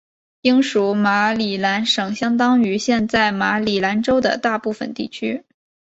英属马里兰省相当于现在马里兰州的大部分地区。